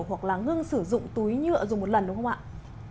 hoặc là ngưng sử dụng túi nhựa dùng một lần đúng không ạ